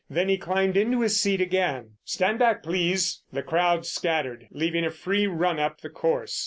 Then he climbed into his seat again. "Stand back, please!" The crowd scattered, leaving a free run up the course.